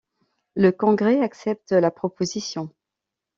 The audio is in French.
Le Congrès accepte la proposition.